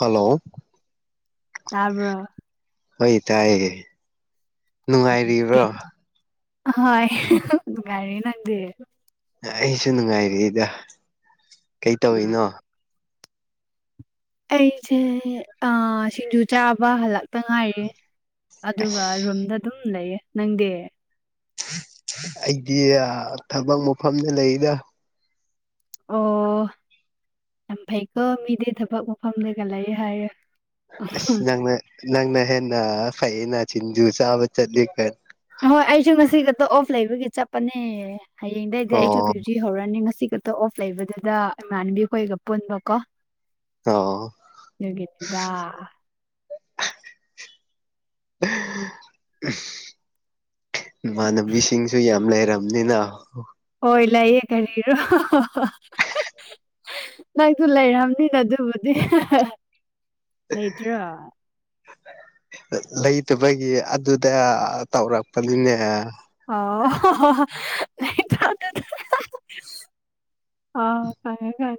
Hello ꯇꯥꯕ꯭ꯔꯣ ꯑꯩ ꯇꯥꯏꯌꯦ ꯅꯨꯡꯉꯥꯏꯔꯤꯕ꯭ꯔꯣ ꯎꯝ ꯍꯣꯏ ꯅꯨꯡꯉꯥꯏꯔꯤ ꯅꯪꯗꯤ ꯑꯩꯁꯨ ꯅꯨꯡꯉꯥꯏꯔꯤꯗ ꯀꯩ ꯎꯝ ꯇꯧꯔꯤꯅꯣ ꯑꯩꯁꯦ ꯁꯤꯡꯖꯨ ꯆꯥꯕ ꯍꯜꯂꯛ ꯍꯜꯂꯛꯇ ꯉꯥꯏꯔꯤ ꯑꯗꯨꯒ ꯔꯨꯝꯗ ꯑꯗꯨꯝ ꯂꯩꯌꯦ ꯅꯪꯗꯤ ꯑꯩꯗꯤ ꯊꯕꯛ ꯃꯐꯝꯗ ꯂꯩꯔꯤꯗ꯫ ꯑꯣ ꯌꯥꯝ ꯐꯩꯀꯣ ꯃꯤꯗꯤ ꯊꯕꯛ ꯃꯐꯝ ꯂꯩꯒ ꯂꯩꯦ ꯍꯥꯏꯔꯦ꯫ ꯑꯁ ꯅꯪꯅ ꯅꯪꯅ ꯍꯦꯟꯅ ꯐꯩꯌꯦꯅ ꯁꯤꯡꯤꯖꯨ ꯆꯥꯕ ꯆꯠꯂꯤ ꯀꯥꯟ ꯑꯍꯣꯏ ꯑꯩꯁꯨ ꯉꯁꯤꯒꯛꯇ ꯑꯣꯐ ꯂꯩꯕꯒꯤ ꯆꯠꯄꯅꯦ ꯍꯌꯦꯡꯗꯩꯗꯤ ꯑꯩꯁꯨ ꯑꯣ ꯀꯔꯤꯁꯨ ꯍꯧ ꯍꯧꯔꯅꯤ ꯉꯁꯤꯈꯛꯇ ꯑꯣꯐ ꯂꯩꯕꯗꯨꯗ ꯏꯃꯥꯟꯅꯕꯤ ꯑꯩꯈꯣꯏꯒ ꯄꯨꯟꯕ ꯀꯣ ꯑꯥꯎ ꯎꯝ ꯏꯃꯥꯟꯅꯕꯤꯁꯤꯡꯁꯨ ꯌꯥꯝ ꯂꯩꯔꯕꯅꯤꯅ ꯍꯣꯏ ꯂꯩꯌꯦ ꯀꯔꯤꯔꯣ ꯅꯪꯁꯨ ꯂꯩꯔꯝꯅꯤꯅ ꯑꯗꯨꯕꯨꯗꯤ ꯂꯩꯇ꯭ꯔꯣ ꯂꯩꯇꯕꯒꯤ ꯑꯗꯨꯗ ꯇꯧꯔꯛꯄꯅꯤꯅꯦ ꯑꯣ ꯍꯣ ꯑꯥ ꯀꯥꯏ ꯀꯥꯏ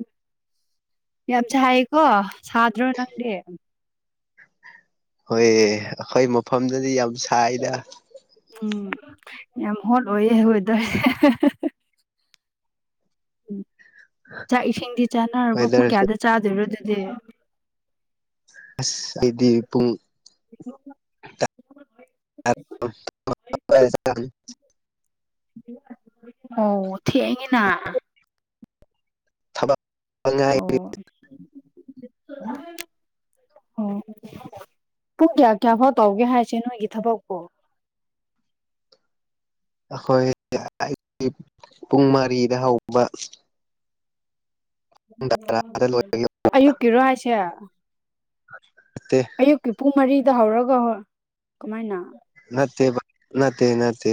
ꯌꯥꯝ ꯁꯥꯏꯌꯦꯀꯣ ꯁꯥꯗ꯭ꯔꯣ ꯅꯪꯗꯤ ꯍꯣꯏ ꯑꯩꯈꯣꯏ ꯃꯐꯝꯗꯗꯤ ꯌꯥꯝ ꯁꯥꯏꯅ ꯎꯝ ꯌꯥꯝ ꯍꯣꯠ ꯑꯣꯏꯌꯦ ꯑꯩꯈꯣꯏ ꯑꯗꯋꯥꯏ ꯎꯝ ꯆꯥꯛ ꯏꯁꯤꯡꯗꯤ ꯆꯥꯅꯔꯕ ꯄꯨꯡ ꯋꯦꯗꯔ ꯀꯌꯥꯗ ꯆꯥꯗꯣꯏꯔꯣ ꯑꯗꯨꯗꯤ ꯑꯁ ꯑꯩꯗꯤ ꯄꯨꯡ ꯇꯔꯥ ꯑꯣ ꯊꯦꯡꯉꯦꯅ ꯊꯕꯛ ꯉꯥꯏ ꯎꯝ ꯑꯣ ꯄꯨꯡ ꯀꯌꯥ ꯀꯌꯥ ꯐꯥꯎ ꯇꯧꯒꯦ ꯍꯥꯏꯁꯦ ꯅꯣꯏꯒꯤ ꯊꯕꯛꯄꯣ ꯑꯩꯈꯣꯏ ꯄꯨꯡ ꯃꯔꯤꯗ ꯍꯧꯕ [inaudible] ꯄꯨꯡ ꯇꯔꯥ ꯗ ꯂꯣꯏꯕꯒꯤ ꯑꯌꯨꯛꯀꯤꯔꯣ ꯍꯥꯏꯁꯦ ꯅꯠꯇꯦ ꯑꯌꯨꯛꯀꯤ ꯄꯨꯡ ꯃꯔꯤꯗ ꯍꯧꯔꯒ ꯀꯃꯥꯏꯅ ꯅꯠꯇꯦ ꯅꯠꯇꯦ ꯅꯠꯇꯦ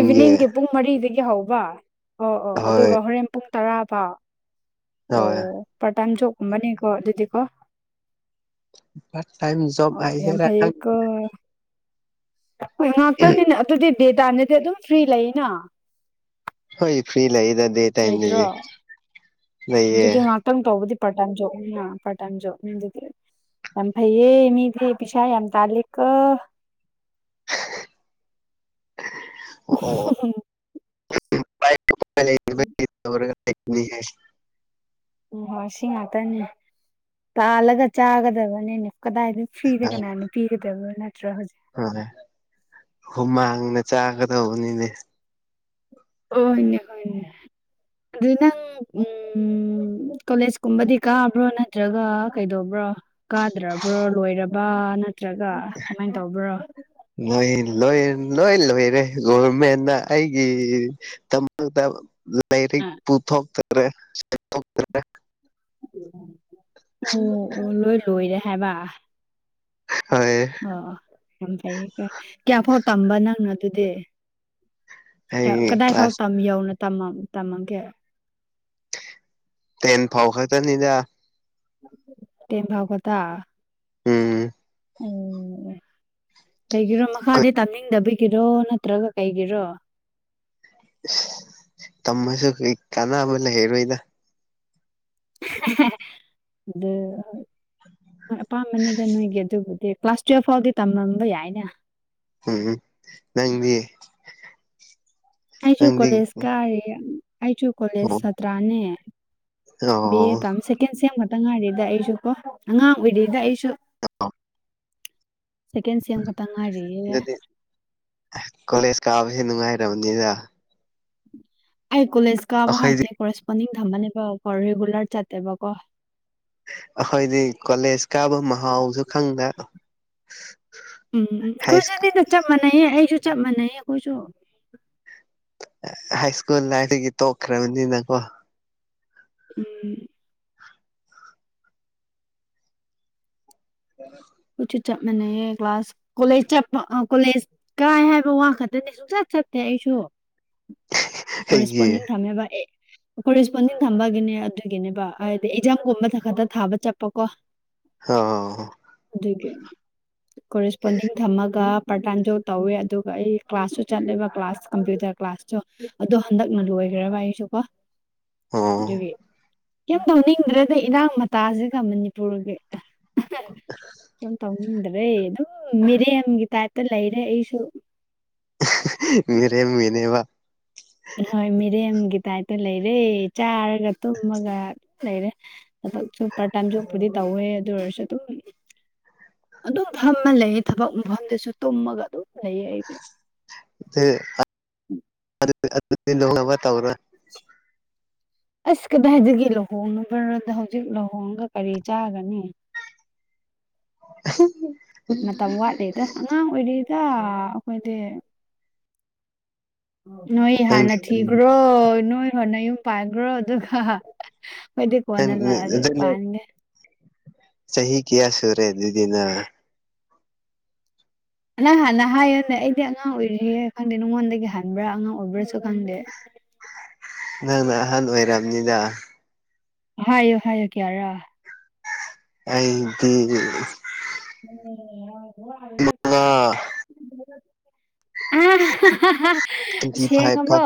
ꯏꯚꯤꯅꯤꯡꯒꯤ ꯄꯨꯡ ꯃꯔꯤꯗꯒꯤ ꯍꯧꯕ ꯑꯣ ꯑꯣ ꯍꯣꯏ ꯑꯗꯨꯒ ꯍꯣꯔꯦꯟ ꯄꯨꯡ ꯇꯔꯥꯐꯥꯎ ꯍꯣꯏ ꯑꯣ ꯄꯥꯔꯠ ꯇꯥꯏꯝ ꯖꯣꯕꯀꯨꯝꯕꯅꯤꯀꯣ ꯑꯗꯨꯗꯤꯀꯣ ꯄꯥꯔꯠ ꯇꯥꯏꯝ ꯖꯣꯕ ꯑꯣ ꯌꯥꯝ ꯍꯥꯏꯁꯤꯔ ꯈꯪꯗꯦ ꯐꯩꯌꯦꯀꯣ ꯍꯣꯏ ꯉꯥꯛꯇꯪꯅꯤꯅ ꯑꯗꯨꯗꯤ ꯗꯦ ꯇꯥꯏꯝꯗꯗꯤ ꯑꯗꯨꯝ ꯐ꯭ꯔꯤ ꯂꯩꯅ ꯍꯣꯏ ꯐꯔꯤ ꯂꯩꯌꯦ ꯗꯦ ꯂꯩꯇ꯭ꯔꯣ ꯇꯥꯏꯝꯗꯗꯤ ꯂꯩꯌꯦ ꯑꯗꯨꯗꯤ ꯉꯥꯏꯍꯥꯛꯇꯪ ꯇꯧꯕꯗꯤ ꯄꯥꯔꯠ ꯇꯥꯏꯝ ꯖꯣꯕ ꯅꯤꯅ ꯄꯥꯔꯠ ꯇꯥꯏꯝ ꯖꯣꯕ ꯑꯗꯨꯗꯤ ꯌꯥꯝ ꯐꯩꯌꯦ ꯃꯤ ꯗꯤ ꯄꯩꯁꯥ ꯌꯥꯝ ꯇꯥꯜꯂꯦꯀꯣ ꯑꯣ ꯑꯣ ꯎꯝ ꯂꯣꯏꯔꯒ ꯎꯝ ꯍꯣꯏ ꯁꯤ ꯉꯥꯛꯇꯅꯦ ꯇꯥꯜꯂꯒ ꯆꯥꯒꯗꯕꯅꯦ ꯀꯗꯥꯏꯗ ꯐꯔꯤꯗ ꯀꯅꯥꯅ ꯄꯤꯒꯗꯕ ꯅꯠꯇ꯭ꯔ ꯍꯧꯖꯤꯛ ꯍꯣꯏ ꯃꯥꯅꯤ ꯍꯨꯃꯥꯡꯅ ꯆꯥꯒꯗꯧꯕꯅꯤꯅꯦ ꯑꯣ ꯍꯣꯏꯅꯦ ꯍꯣꯏꯅꯦ꯫ ꯑꯗꯨ ꯅꯪ ꯀꯣꯂꯦꯖꯀꯨꯝꯕꯗꯤ ꯀꯥꯕ꯭ꯔꯣ ꯅꯠꯇ꯭ꯔꯒ ꯀꯩꯗꯧꯕ꯭ꯔꯣ꯫ ꯀꯥꯗ꯭ꯔꯕ꯭ꯔꯣ ꯂꯣꯏꯔꯕ ꯅꯠꯇ꯭ꯔꯒ ꯀꯃꯥꯏꯅ ꯇꯧꯕ꯭ꯔꯣ꯫ ꯅꯣꯏ ꯂꯣꯏ ꯂꯣꯏ ꯂꯣꯏꯔꯦ ꯒꯣꯚꯔꯃꯦꯟꯅ ꯑꯩꯒꯤ ꯃꯛꯇ ꯂꯥꯏꯔꯤꯛ ꯑꯣ ꯄꯨꯊꯣꯛꯇꯔꯦ ꯁꯦꯜ ꯊꯣꯛꯇꯔꯦ꯫ ꯑꯣ ꯑꯣ ꯂꯣꯏ ꯂꯣꯏꯔꯦ ꯍꯥꯏꯕ꯫ ꯍꯣꯏ꯫ ꯑꯣ ꯑꯣ ꯌꯥꯝ ꯐꯩꯌꯦ ꯐꯔꯦ ꯀꯌꯥ ꯐꯥꯎ ꯇꯝꯕ ꯅꯪꯅ ꯑꯗꯨꯗꯤ꯫ ꯑꯩ ꯀꯗꯥꯏ ꯐꯥꯎ ꯀ꯭ꯂꯥꯁ ꯌꯧꯅ ꯇꯝꯃꯝꯒꯦ꯫ ꯇꯦꯟ ꯐꯥꯎ ꯈꯠꯇꯅꯤꯗ꯫ ꯇꯦꯟ ꯐꯥꯎ ꯈꯇ꯫ ꯎꯝ꯫ ꯑꯣ ꯀꯩꯒꯤꯔꯣ ꯃꯈꯥꯗꯤ ꯇꯥꯅꯤꯡꯗꯕꯤꯒꯤꯔꯣ ꯅꯠꯇ꯭ꯔꯒ ꯀꯩꯒꯤꯔꯣ꯫ ꯇꯃꯁꯨ ꯀ ꯀꯅꯥꯕ ꯂꯩꯔꯔꯣꯏꯗ꯫ ꯑꯗꯨ ꯑꯄꯥꯝꯕꯅꯤꯗ ꯅꯣꯏꯒꯤ ꯑꯗꯨꯕꯨꯗꯤ ꯀ꯭ꯂꯥꯁ ꯇꯨꯌꯦꯞ ꯐꯥꯎꯗꯤ ꯇꯝꯃꯝꯕ ꯌꯥꯏꯅ꯫ ꯎꯝ ꯅꯪꯗꯤ꯫ ꯑꯩꯁꯨ ꯅꯪꯗꯤ ꯀꯣꯂꯦꯖ ꯀꯥꯔꯤꯌꯦ ꯑꯩꯁꯨ ꯀꯣꯂꯦꯖ ꯑꯣ ꯁꯥꯇ꯭ꯔꯥꯅꯦ꯫ ꯕꯤ ꯑꯦ ꯑꯣ ꯇꯝ ꯁꯦꯀꯦꯟ ꯁꯦꯝ ꯈꯛꯇꯪ ꯉꯥꯏꯔꯤꯗ ꯑꯩꯁꯨ ꯀꯣ ꯑꯉꯥꯡ ꯑꯣꯏꯔꯤꯗ ꯑꯩꯁꯨ꯫ [unintelligible] ꯁꯦꯀꯦꯟ ꯁꯦꯝ ꯈꯛꯇꯪ ꯉꯥꯏꯔꯤꯌꯦ꯫ ꯑꯁ ꯀꯣꯂꯦꯖ ꯀꯥꯕꯁꯦ ꯅꯨꯡꯉꯥꯏꯔꯕꯅꯤꯗ꯫ ꯑꯩ ꯀꯣꯂꯦꯖꯀꯕ ꯑꯩꯈꯣꯏꯗꯤ ꯍꯥꯏꯁꯦ ꯀꯣꯔꯦꯁꯄꯣꯟꯗꯤꯡ ꯊꯝꯃꯅꯦꯕꯀꯣ ꯔꯤꯒꯨꯂꯔ ꯆꯠꯇꯦꯕꯀꯣ꯫ ꯑꯩꯈꯣꯏꯗꯤ ꯀꯣꯂꯦꯖ ꯀꯥꯕ ꯃꯍꯥꯎꯁꯨ ꯈꯪꯗ꯫ ꯎꯝ ꯍꯥꯏ ꯑꯩꯈꯣꯏꯁꯨꯅꯤꯗ ꯆꯞ ꯃꯥꯟꯅꯩ ꯑꯩꯁꯨ ꯆꯞ ꯃꯥꯟꯅꯩ ꯑꯩꯈꯣꯏꯁꯨ꯫ High school ꯂꯥꯏꯐꯒꯤ ꯇꯣꯛꯈ꯭ꯔꯕꯅꯤꯅꯀꯣ꯫ ꯎꯝ꯫ [unintelligible] ꯈꯣꯏꯁꯨ ꯆꯞ ꯃꯅꯦꯌꯦ ꯀ꯭ꯂꯥꯁ ꯀꯣꯂꯦꯖ ꯆ ꯀꯣꯂꯦꯖ ꯀꯥꯏ ꯍꯥꯏꯕ ꯋꯥ ꯈꯛꯇꯅꯤ ꯁꯨꯡꯆꯠ ꯆꯠꯇꯦ ꯑꯩꯁꯨ꯫ ꯑꯩꯒꯤ ꯀꯔꯦꯁꯄꯣꯟꯗꯤꯡ ꯊꯝꯃꯦꯕ ꯑꯩ꯫ ꯀꯣꯔꯦꯁꯄꯣꯟꯗꯤꯡ ꯊꯝꯕꯒꯤꯅꯦ ꯑꯗꯨꯒꯤꯅꯦꯕ ꯍꯥꯏꯗꯤ ꯑꯦꯛꯖꯥꯝꯒꯨꯝꯕ ꯈꯛꯇ ꯊꯥꯕ ꯆꯠꯄꯀꯣ꯫ [unintelligible] ꯑꯣ꯫ ꯑꯗꯨꯒꯤ ꯀꯣꯔꯦꯁꯄꯣꯟꯗꯤꯡ ꯊꯝꯃꯒ꯫ ꯄ꯭ꯔꯇꯥꯏꯝ ꯖꯣꯞ ꯇꯧꯋꯦ ꯑꯗꯨꯒ ꯑꯩ ꯀ꯭ꯂꯥꯁꯁꯨ ꯆꯠꯂꯤꯕ ꯀ꯭ꯂꯥꯁ ꯀꯝꯄ꯭ꯌꯨꯇꯔ ꯀ꯭ꯂꯥꯁꯁꯨ꯫ ꯑꯗꯣ ꯍꯟꯗꯛꯅ ꯂꯣꯏꯈ꯭ꯔꯕ ꯑꯩꯁꯨꯀꯣ ꯑꯣ ꯑꯗꯨꯒꯤ꯫ ꯀꯦꯝ ꯇꯧꯅꯤꯡꯗ꯭ꯔꯦꯗꯤ ꯏꯔꯥꯡ ꯃꯇꯥꯁꯤꯒ ꯃꯅꯤꯄꯨꯔꯒꯤ꯫ [unintelligible] ꯀꯩꯝ ꯇꯧꯅꯤꯡꯗ꯭ꯔꯦ ꯑꯗꯨꯝ ꯃꯤꯔꯦꯝꯒꯤ ꯇꯥꯏꯞꯇ ꯂꯩꯔꯦ ꯑꯩꯁꯨ꯫ ꯃꯤꯔꯦꯝ ꯃꯤꯅꯦꯕ꯫ ꯍꯣꯏ ꯃꯤꯔꯦꯝꯒꯤ ꯇꯥꯏꯞꯇ ꯂꯩꯔꯦ ꯆꯥꯔꯒ ꯇꯨꯝꯃꯒ ꯂꯩꯔꯦ꯫ ꯊꯥꯕꯥꯛꯁꯨ ꯄꯥꯔꯇꯥꯏꯝ ꯖꯣꯞꯄꯨꯗꯤ ꯇꯧꯋꯦ ꯑꯗꯨ ꯑꯣꯏꯔꯁꯨ ꯑꯗꯨꯝ꯫ ꯑꯗꯨꯝ ꯐꯝꯃ ꯂꯩ ꯊꯕꯛ ꯃꯐꯝꯗꯁꯨ ꯇꯨꯝꯃꯒ ꯑꯗꯨꯝ ꯂꯩꯌꯦ ꯑꯩꯗꯤ꯫ ꯑꯗꯨꯗꯤ ꯅꯣꯛꯅꯕ ꯇꯧꯔꯣꯏ ꯑꯁ ꯀꯗꯥꯏꯗꯒꯦ ꯂꯨꯍꯣꯡꯕꯗ ꯍꯧꯖꯤꯛ ꯂꯨꯍꯣꯡꯒ ꯀꯔꯤ ꯆꯥꯒꯅꯤ꯫ [unintelligible] ꯃꯇꯝ ꯋꯥꯠꯂꯤꯗ ꯑꯉꯥꯡ ꯑꯣꯏꯔꯤꯗ ꯑꯩꯈꯣꯏꯗꯤ꯫ ꯅꯣꯏ ꯅꯪꯗꯤ ꯍꯥꯟꯅ ꯊꯤꯈ꯭ꯔꯣ ꯅꯣꯏ ꯕꯣꯏꯕꯨ ꯅꯌꯨꯝ ꯄꯥꯟꯈ꯭ꯔꯣ ꯑꯗꯨꯒ ꯑꯈꯣꯏꯗꯤ ꯀꯣꯟꯅꯥꯂꯔ ꯄꯥꯟꯒꯦ꯫ ꯁꯍꯤ ꯀꯌꯥꯁꯨꯨꯔꯦ ꯑꯗꯨꯗꯅ ꯅꯪ ꯍꯥꯟꯅ ꯍꯥꯏꯌꯨꯅꯦ ꯑꯩꯗꯤ ꯑꯉꯥꯡ ꯑꯣꯏꯔꯤꯌꯦ ꯈꯪꯗꯦ ꯅꯉꯣꯟꯗꯒꯤ ꯍꯟꯕ꯭ꯔꯥ ꯑꯉꯥꯡ ꯑꯣꯏꯕ꯭ꯔꯥꯁꯨ ꯈꯪꯗꯦ ꯅꯪꯅ ꯑꯍꯟ ꯑꯣꯏꯔꯝꯅꯤꯗ ꯍꯥꯏꯌꯣ ꯍꯥꯏꯌꯣ ꯀꯌꯥꯔꯥ ꯑꯩꯗꯤ ꯎ ꯅ ꯌꯥ ꯑ ꯇꯋꯦꯟꯇꯤ ꯐꯥꯏꯚ ꯐꯥꯏ ꯁꯦꯡꯉꯕꯣ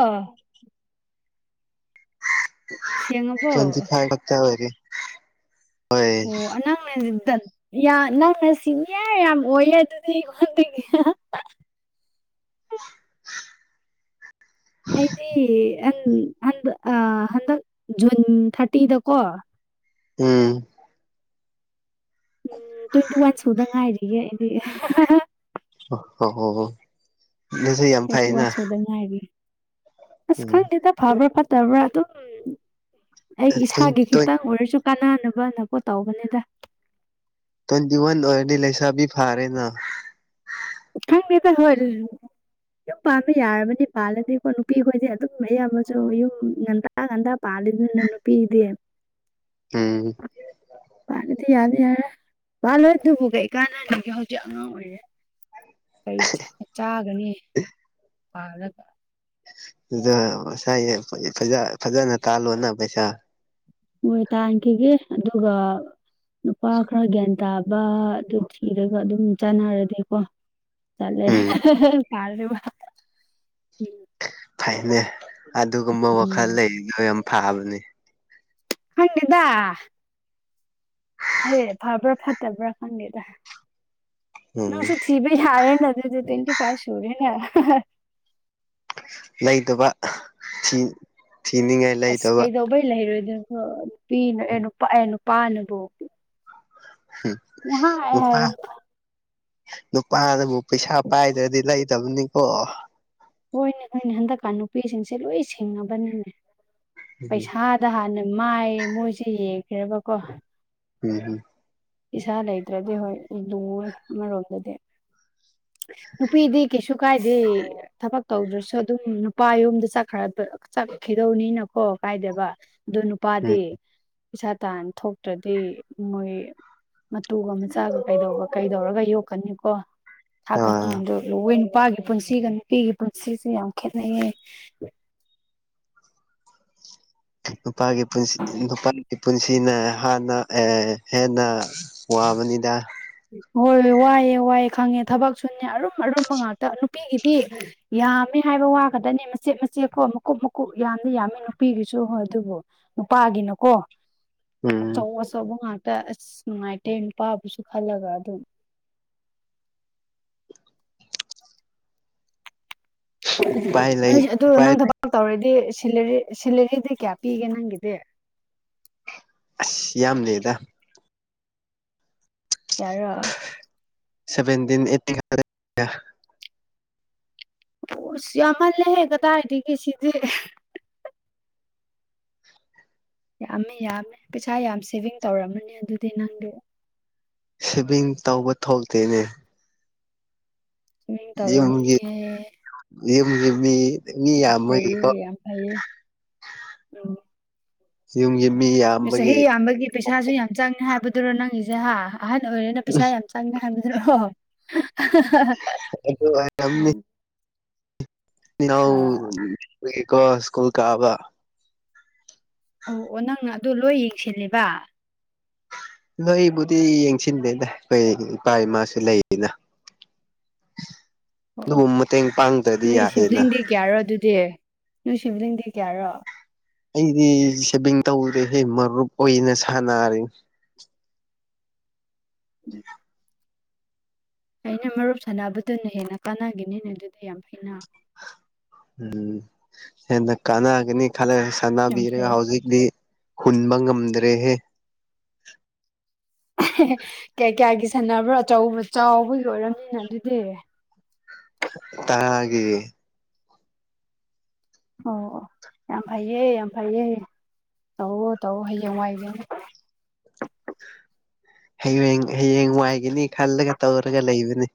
ꯁꯦꯡꯉꯕꯣ ꯆꯪꯖꯤ ꯈꯥꯏ ꯊꯥꯛꯇ ꯂꯩꯔꯤ ꯑꯣ ꯑꯅꯪꯅꯦ ꯗ ꯌꯥ ꯅꯪꯅ ꯁꯤꯅꯤꯌꯥꯔ ꯌꯥꯝ ꯑꯣꯏꯌꯦ ꯑꯗꯨꯗꯤ ꯑꯩꯉꯣꯟꯗꯒꯤ ꯑꯩꯗꯤ ꯍꯟꯗ ꯍꯟꯗꯛ ꯖꯨꯟ ꯊꯥꯔꯇꯤꯗꯀꯣ ꯎꯝ ꯎꯝ ꯇ꯭ꯋꯦꯟꯇꯤ ꯋꯥꯟ ꯁꯨꯗ ꯉꯥꯏꯔꯤꯌꯦ ꯑꯩꯗꯤ ꯑꯣ ꯍ ꯑꯩꯇꯤ ꯋꯥꯟ ꯁꯨꯗ ꯉꯥꯏꯒꯦ ꯑꯁ ꯎꯝ ꯈꯪꯗꯦꯗ ꯐꯕ꯭ꯔꯥ ꯐꯠꯇꯕ꯭ꯔꯥ ꯑꯗꯨꯝ ꯑꯩ ꯏꯁꯥꯒꯤ ꯈꯤꯇꯪ ꯑꯣꯏꯔꯁꯨ ꯀꯥꯟꯅꯅꯕꯅꯀꯣꯠ ꯇꯧꯕꯅꯤꯗ ꯇꯌꯦꯟꯇꯤ ꯋꯥꯟ ꯑꯣꯏꯔꯗꯤ ꯂꯩꯁꯥꯕꯤ ꯐꯥꯔꯦ ꯅ ꯈꯡꯗꯦꯗꯥ ꯍꯣꯏ ꯑꯗꯨꯁꯨ ꯌꯨꯝ ꯄꯥꯝꯕ ꯌꯥꯔꯕꯅꯤ ꯄꯥꯜꯂꯗꯤꯀꯣ ꯅꯨꯄꯤꯈꯣꯏꯗꯤ ꯑꯗꯨꯝ ꯑꯌꯥꯝꯕꯁꯨ ꯌꯨꯝ ꯉꯟꯇꯥ ꯉꯟꯇ ꯉꯟꯇꯥ ꯄꯜꯂꯤꯗꯅ ꯅꯨꯄꯤꯗꯤ ꯎꯝ ꯗꯤ ꯌꯥꯔꯦ ꯌꯥꯔꯦ ꯄꯥꯜꯂꯣꯏ ꯑꯗꯨꯕꯨ ꯀꯩ ꯀꯥꯟꯅꯅꯤꯒꯦ ꯍꯧꯖꯤꯛ ꯑꯉꯥꯡ ꯑꯣꯏꯔꯤ ꯀꯔꯤ ꯆꯥꯒꯅꯤ ꯄꯥꯂꯒ ꯑꯗꯨꯗ ꯉꯁꯥꯏ ꯐꯖꯅ ꯇꯥꯜꯂꯣꯅ ꯄꯩꯁꯥ ꯍꯣꯏ ꯇꯥꯟꯈꯤꯒꯦ ꯑꯗꯨꯒ ꯅꯨꯄꯥ ꯈꯔ ꯒ꯭ꯌꯥꯟ ꯇꯥꯕ ꯑꯗꯨ ꯊꯤꯔꯒ ꯑꯗꯨꯝ ꯆꯥꯟꯅꯔꯗꯤꯀꯣ ꯎꯝ [unintelligible] ꯐꯩꯅꯦ ꯑꯗꯨꯒꯨꯝꯕ ꯎꯝ ꯋꯥꯈꯜ ꯂꯩꯔꯤꯗꯣ ꯌꯥꯝ ꯐꯥꯕꯅꯤ ꯈꯡꯗꯦꯗ ꯑꯩ ꯐꯕ꯭ꯔꯥ ꯐꯠꯇꯕ꯭ꯔꯥ ꯈꯪꯒꯦꯗ ꯎꯝ ꯅꯁꯨ ꯊꯤꯕ ꯌꯔꯦꯅ ꯑꯗꯨꯗꯤ ꯇ꯭ꯋꯦꯟꯇꯤ ꯐꯥꯏ ꯁꯨꯔꯦꯅ ꯂꯩꯇꯕ ꯐꯤ ꯊꯤꯅꯤꯡꯉꯥꯏ ꯑꯁ ꯀꯩꯗꯧꯕꯩ ꯂꯩꯔꯣꯏꯗꯣꯏꯅꯣꯣ ꯅꯨꯄꯤꯅ ꯑꯦ ꯅꯨꯄꯥ ꯑꯦ ꯅꯨꯄꯥꯅꯕꯨ ꯎꯝ ꯄꯨꯡꯍꯥꯏ ꯑꯣ ꯈ ꯍꯥꯏꯔ ꯅꯨꯄꯥꯅꯕꯨ ꯄꯩꯁꯥ ꯄꯥꯏꯗ꯭ꯔꯗꯤ ꯂꯩꯇꯕꯅꯤꯀꯣ ꯍꯣꯏꯅꯦ ꯍꯣꯏꯅꯦ ꯍꯟꯗꯛꯀꯥꯟ ꯅꯨꯄꯤꯁꯤꯡꯁꯦ ꯂꯣꯏ ꯁꯤꯡꯉꯕꯅꯤꯅꯦ ꯎꯝ ꯄꯩꯁꯥ ꯑꯗ ꯍꯥꯟꯅ ꯃꯥꯏ ꯃꯣꯏꯁꯦ ꯌꯦꯡꯈ꯭ꯔꯕꯀꯣ ꯎꯝ ꯍꯝ ꯄꯩꯁꯥ ꯂꯩꯇ꯭ꯔꯗꯤ ꯍꯣꯏ ꯂꯨ ꯑꯃꯔꯣꯝꯗꯗꯤ ꯅꯨꯄꯤꯗꯤ ꯀꯩꯁꯨ ꯀꯥꯏꯗꯦ ꯊꯕꯛ ꯇꯧꯗ꯭ꯔꯁꯨ ꯑꯗꯨꯝ ꯅꯨꯄꯥ ꯌꯨꯝꯗ ꯆꯠꯈ ꯆꯠꯈꯤꯗꯧꯅꯤꯅꯀꯣ ꯀꯥꯏꯗꯦꯕ ꯑꯗꯨ ꯎꯝ ꯅꯨꯄꯥꯗꯤ ꯄꯩꯁꯥ ꯇꯥꯟ ꯊꯣꯛꯇ꯭ꯔꯗꯤ ꯃꯣꯏ ꯃꯇꯨꯒ ꯃꯆꯥꯒ ꯀꯩꯗꯧꯕ ꯀꯩꯗꯧꯔꯒ ꯌꯣꯛꯀꯅꯤꯀꯣ ꯊꯥꯛꯀꯅꯤ ꯑꯥ ꯑꯗꯨꯒꯋ ꯅꯨꯄꯥꯒꯤ ꯄꯨꯟꯁꯤꯒ ꯅꯨꯄꯤꯒꯤ ꯄꯨꯟꯁꯤꯁꯦ ꯌꯥꯝ ꯈꯦꯠꯅꯩꯌꯦ ꯅꯨꯄꯥꯒꯤ ꯄꯨꯟꯁꯤ ꯅꯨꯄꯥ ꯄꯨꯟꯁꯤꯅ ꯍꯥꯟꯅ ꯍꯦꯟꯅ ꯋꯥꯕꯅꯤꯗ ꯍꯣꯏ ꯍꯣꯏ ꯋꯥꯏꯑꯦ ꯋꯥꯏꯑꯦ ꯈꯪꯉꯦ ꯊꯕꯛ ꯁꯨꯅꯦ ꯑꯔꯨꯝ ꯑꯔꯨꯝꯕ ꯉꯥꯛꯇ ꯅꯨꯄꯤꯒꯤꯗꯤ ꯌꯥꯝꯃꯦ ꯍꯥꯏꯕ ꯋꯥꯒꯗꯅꯦ ꯃꯆꯦꯠ ꯃꯆꯦꯠꯀꯣ ꯃꯀꯨꯞ ꯃꯀꯨꯞ ꯌꯥꯝꯅ ꯌꯥꯝꯃꯤ ꯅꯨꯄꯤꯒꯤꯁꯨ ꯍꯣꯏ ꯑꯗꯨꯕꯨ ꯅꯨꯄꯥꯒꯤꯅꯀꯣ ꯎꯝ ꯑꯆꯧ ꯑꯆꯧꯕ ꯉꯥꯛꯇ ꯑꯁ ꯅꯨꯡꯉꯥꯏꯇꯦ ꯅꯨꯄꯥꯥꯕꯁꯨ ꯈꯜꯂꯒ ꯑꯗꯨꯝ ꯎꯄꯥꯏ ꯂꯩ ꯅꯣꯏꯁꯨ ꯑꯗꯨ ꯎꯄꯥꯏ ꯅꯪ ꯊꯕꯥ ꯑꯛ ꯇꯧꯔꯗꯤ ꯁꯦꯂꯦꯔꯤ ꯁꯦꯂꯦꯔꯤꯗꯤ ꯀꯌꯥ ꯄꯤꯒꯦ ꯅꯪꯒꯤꯗꯤ ꯑꯁ ꯌꯥꯝ ꯂꯩꯌꯦꯗ ꯀꯌꯥꯔꯣ ꯁꯚꯦꯟꯗꯤꯟ ꯑꯦꯠꯇꯤꯟ ꯒꯛ ꯗꯅꯦ ꯎꯁ ꯌꯥꯝꯃꯜꯂꯦꯍꯦ ꯀꯗꯥꯏꯗꯥꯒꯤ ꯁꯤ ꯖꯤ ꯌꯥꯝꯃꯦ ꯌꯥꯝꯃꯦ ꯄꯩꯁꯥ ꯌꯥꯝ ꯁꯦꯚꯤꯡ ꯇꯧꯔꯝꯃꯅꯤ ꯑꯗꯨꯗꯤ ꯅꯪꯗꯤ ꯁꯦꯚꯤꯡ ꯇꯧꯕ ꯊꯣꯛꯇꯦꯅꯦ ꯃꯤꯡ ꯇꯧꯔꯝꯃ ꯅꯤꯌꯦ ꯌꯝ ꯌꯝꯃꯤ ꯐꯩꯌꯦ ꯌꯥꯝ ꯐꯩꯌꯦ ꯔꯨ ꯖ꯭ꯌꯨꯝꯒꯤ ꯃꯤ ꯌꯥꯝ ꯃꯦ ꯆꯍꯤ ꯌꯥꯝꯕꯒꯤ ꯄꯩꯁꯥꯁꯨ ꯌꯥꯝ ꯆꯪꯅꯤ ꯍꯥꯏꯕꯗꯨꯔ ꯅꯪꯒꯤꯖꯦ ꯍꯥ ꯑꯍꯟ ꯑꯣꯏꯔꯦꯅ ꯄꯩꯁꯥ ꯌꯥꯝ ꯆ__ ꯑꯪ ꯍꯥꯏꯕꯗꯨ ꯔ꯭ꯣꯍ ꯍꯥ ꯍ ꯑꯍ ꯑꯩꯈꯣꯏ ꯋꯥ ꯍꯥꯏ ꯔꯝꯅꯤ ꯑ ꯄꯤꯅꯥꯎꯎꯜ ꯀꯨꯏꯔꯦꯀꯣ ꯁ꯭ꯀꯨꯜ ꯀꯥꯕ ꯑꯧ ꯑꯣ ꯅꯪꯅ ꯑꯗꯨ ꯂꯣꯏ ꯌꯦꯡꯁꯤꯜꯂꯤꯕ ꯂꯣꯏꯕꯨꯗꯤ ꯌꯦꯡꯁꯤꯟꯗꯦꯗ ꯀꯣꯏ ꯏꯄꯥ ꯏꯃꯥꯁꯨ ꯂꯩ ꯏꯅ ꯑꯣ ꯑꯣ ꯑꯗꯨꯕꯨ ꯃꯇꯦꯡ ꯄꯥꯡꯗ꯭ꯔꯗꯤ ꯅꯣꯏ ꯌꯥꯗꯦꯅ ꯁꯤꯚꯤꯂꯤꯡꯗꯤ ꯀ꯭ꯌꯥꯔꯥ ꯑꯗꯨꯗꯤ ꯅꯣꯏ ꯁꯤꯚꯤꯂꯤꯡꯗꯤ ꯀꯌꯥꯔꯣ ꯑꯩꯗꯤ ꯁꯦꯚꯤꯡ ꯇꯧꯗꯦ ꯍꯦ ꯃꯔꯨꯞ ꯑꯣꯏꯅ ꯁꯥꯟꯅꯔꯤꯡ ꯑꯩꯅ ꯃꯔꯨꯞ ꯁꯥꯟꯅꯕꯗꯨꯅ ꯍꯦꯟꯅ ꯀꯥꯟꯅꯒ꯭ꯤꯕꯅꯤꯅꯦ ꯑꯗꯨ ꯗꯤ ꯌꯥꯝ ꯐꯩꯅ ꯎꯝ ꯍꯦꯟꯅ ꯀꯥꯟꯅꯒꯅꯤ ꯈꯜꯂꯒ ꯌꯥꯝ ꯁꯥꯟꯅꯕꯤꯔꯒ ꯐꯩꯌꯦ ꯍꯧꯖꯤꯛꯗꯤ ꯍꯨꯟꯕ ꯉꯝꯗ꯭ꯔꯦꯍꯦ ꯍꯦ ꯍꯦ ꯀ꯭ꯌꯥ ꯀ꯭ꯌꯥꯒꯤ ꯁꯥꯟꯅꯕ꯭ꯔꯣ ꯑꯆꯧꯕ ꯆꯥꯎꯕꯒꯤ ꯑꯣꯏꯔꯝꯅꯤꯅ ꯑꯗꯨꯗꯤ ꯍ ꯇꯔꯥꯒꯤ ꯑꯧ ꯑꯣ ꯌꯥꯝ ꯐꯩꯌꯦ ꯌꯥꯝ ꯐꯩꯌꯦ ꯇꯧꯋꯣ ꯇꯧꯋꯣ ꯍꯥꯌꯦꯡꯋꯥꯏ ꯒꯤꯅꯤ ꯍꯩꯋꯦꯡ ꯍꯌꯦꯡ ꯋꯥꯏꯒꯅꯤ ꯈꯜꯂꯒ ꯇꯧꯔꯒ ꯂꯩꯕꯅꯤ